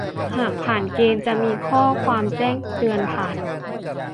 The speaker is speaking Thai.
หากผ่านเกณฑ์จะมีข้อความแจ้งเตือนผ่าน